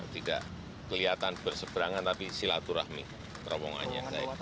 tidak kelihatan berseberangan tapi silaturahmi terowongannya